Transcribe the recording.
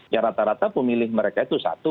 ya rata rata pemilih mereka itu satu